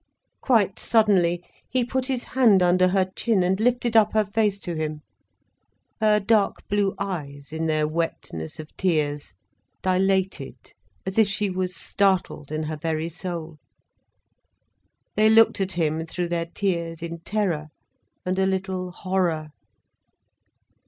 Quite suddenly, he put his hand under her chin and lifted up her face to him. Her dark blue eyes, in their wetness of tears, dilated as if she was startled in her very soul. They looked at him through their tears in terror and a little horror.